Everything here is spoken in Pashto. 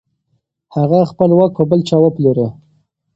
هغه خپل واک په بل چا وپلوره.